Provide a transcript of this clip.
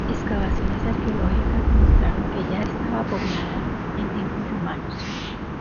Excavaciones arqueológicas demostraron que ya estaba poblada en tiempos romanos.